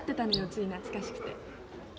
つい懐かしくて。